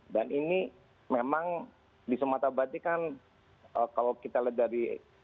dan ini memang di sumatera barat ini kalau kita dari